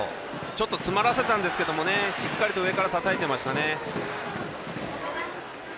ちょっと詰まらせたんですけどしっかりと上からたたいてましたね。